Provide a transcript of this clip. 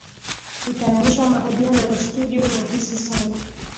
kutayarisha mahojiano ya studio ni rahisi sana